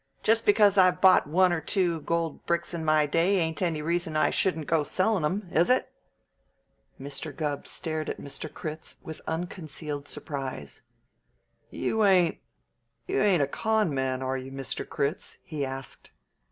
Just because I've bought one or two gold bricks in my day ain't any reason I shouldn't go to sellin' 'em, is it?" Mr. Gubb stared at Mr. Critz with unconcealed surprise. "You ain't, you ain't a con' man, are you, Mr. Critz?" he asked.